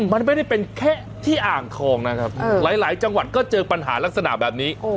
มันไม่ได้เป็นแค่ที่อ่างทองนะครับหลายจังหวัดก็เจอปัญหาลักษณะแบบนี้